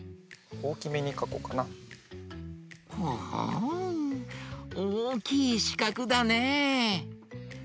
ほほうおおきいしかくだね。